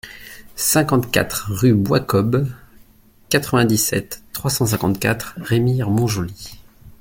cinquante-quatre rue Bois Kobe, quatre-vingt-dix-sept, trois cent cinquante-quatre, Remire-Montjoly